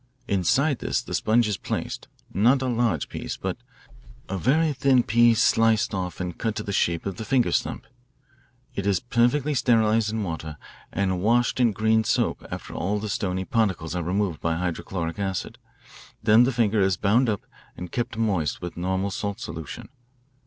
Inside this, the sponge is placed, not a large piece, but a very thin piece sliced off and cut to the shape of the finger stump. It is perfectly sterilised in water and washed in green soap after all the stony particles are removed by hydrochloric acid. Then the finger is bound up and kept moist with normal salt solution.